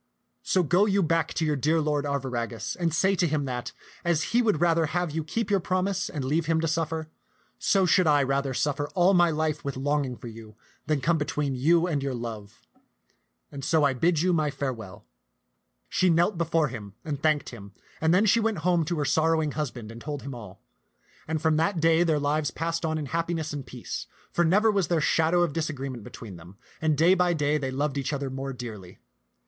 So go you back to your dear lord Arviragus, and say to him that, as he would rather have you keep your promise and leave him to suffer, so should I rather suffer all my life with longing for you than come between you and your love ; and so I bid you my farewell." She knelt before him, and thanked him ; and then she went home to her sorrowing husband and told him t^t ^xan^txn'B tatt 199 all. And from that day their lives passed on in happi ness and peace ; for never was there shadow of disagree ment between them, and day by day they loved each other more dearly.